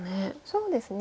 そうですね。